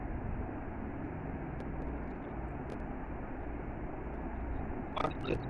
অনুষ্ঠানে আমি আমার গুরুজী পদ্মশ্রী পণ্ডিত মধুপ মুদ্গলের সঙ্গে ভজন গাওয়ার জন্য যেতাম।